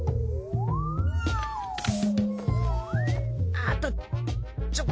あっ！